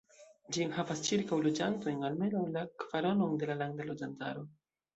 Ĝi enhavas ĉirkaŭ loĝantojn, almenaŭ la kvaronon de la landa loĝantaro.